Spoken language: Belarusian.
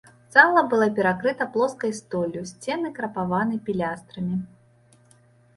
Зала была перакрыта плоскай столлю, сцены крапаваны пілястрамі.